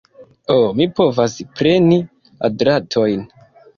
Ho, mi povas preni la dratojn!